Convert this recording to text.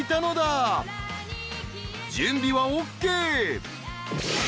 ［準備はＯＫ］